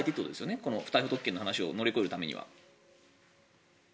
この不逮捕特権の話を乗り越えるためには。